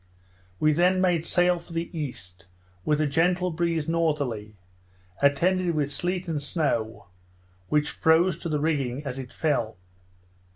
We then made sail for the east, with a gentle breeze northerly, attended with snow and sleet, which froze to the rigging as it fell.